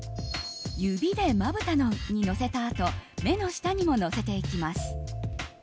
指でまぶたの上にのせたあと目の下にものせていきます。